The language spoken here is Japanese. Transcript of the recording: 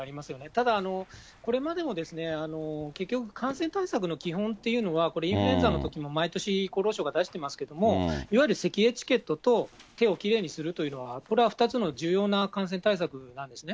ただ、これまでも結局、感染対策の基本というのは、これ、インフルエンザのときも毎年、厚労省が出してますけども、いわゆるせきエチケットと手をきれいにするというのは、これは２つの重要な感染対策なんですね。